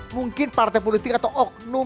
mungkin partai politik atau oknum